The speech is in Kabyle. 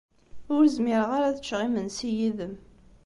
Ur zmireɣ ara ad ččeɣ imensi yid-m.